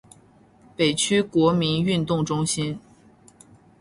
北区国民运动中心